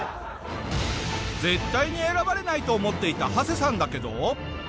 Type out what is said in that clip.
絶対に選ばれないと思っていたハセさんだけど。